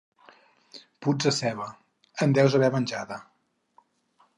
Puts a ceba: en deus haver menjada.